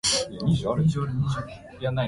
北海道古平町